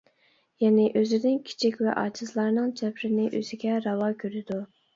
يەنى، ئۆزىدىن كىچىك ۋە ئاجىزلارنىڭ جەبرىنى ئۆزىگە راۋا كۆرىدۇ.